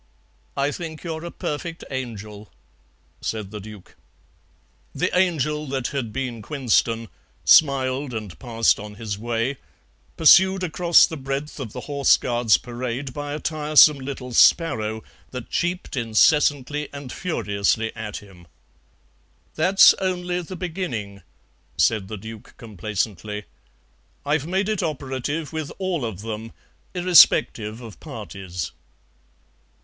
"I think you are a perfect angel," said the Duke. The Angel that had been Quinston smiled and passed on his way, pursued across the breadth of the Horse Guards Parade by a tiresome little sparrow that cheeped incessantly and furiously at him. "That's only the beginning," said the Duke complacently; "I've made it operative with all of them, irrespective of parties."